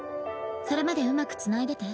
それまでうまくつないでて。